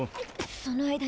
その間に。